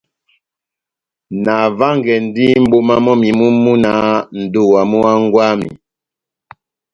Navángɛndi mʼboma mɔ́mi mú múna nʼdowa mú hángwɛ wami.